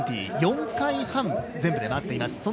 ４回半、全部で回っています。